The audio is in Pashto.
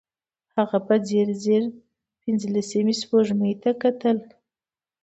هغه په ځير ځير پينځلسمې سپوږمۍ ته کتل.